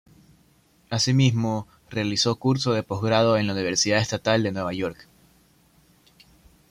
Asimismo, realizó curso de posgrado en la Universidad Estatal de Nueva York.